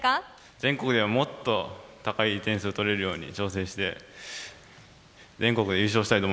全国ではもっと高い点数をとれるように調整して全国で優勝したいと思います。